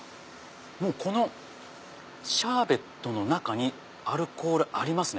もうこのシャーベットの中にアルコールありますね。